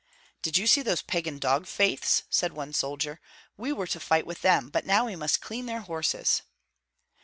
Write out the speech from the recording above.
"Did you see those pagan dog faiths?" said one soldier; "we were to fight with them, but now we must clean their horses."